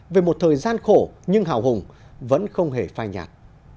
về một thời gian khổ nhưng hào hùng vẫn không hề phai nhạt